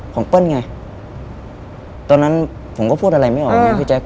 เปิ้ลไงตอนนั้นผมก็พูดอะไรไม่ออกไงพี่แจ๊ค